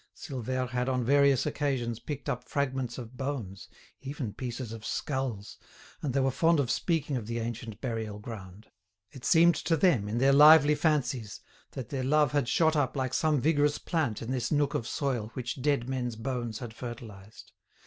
Silvère had on various occasions picked up fragments of bones, even pieces of skulls, and they were fond of speaking of the ancient burial ground. It seemed to them, in their lively fancies, that their love had shot up like some vigorous plant in this nook of soil which dead men's bones had fertilised.